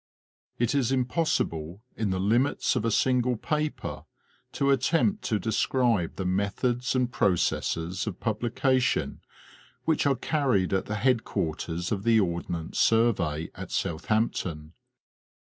IN ie It is impossible in the limits of a single paper to attempt to describe the methods and processes of publication which are car ried at the headquarters of the Ordnance Survey at Southampton.